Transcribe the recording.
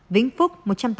vĩnh phúc một trăm tám mươi